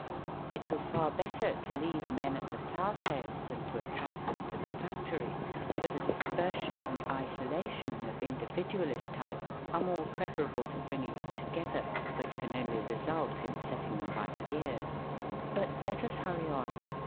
It was far better to leave men at the ploughtail than to attract them to the factory, for the dispersion and isolation of individualist types are more preferable to bringing them together, which can only result in setting them by the ears. But let us hurry on.